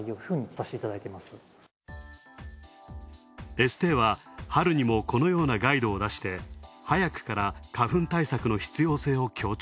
エステーは、春にもこのようなガイドを出して早くから花粉対策の必要性を強調。